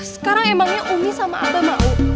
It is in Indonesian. sekarang emangnya umi sama abah mau